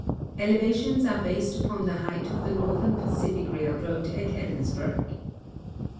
EleAUitions are based upon the height of the Northern Pacific railroad at Ellensburg.